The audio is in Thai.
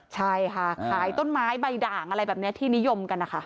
ใช่ค่ะขายต้นไม้ใบด่างอะไรแบบนี้ที่นิยมกันนะคะ